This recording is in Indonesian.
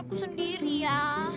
aku sendiri ya